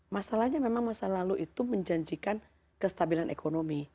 masalahnya memang masa lalu itu menjanjikan kestabilan ekonomi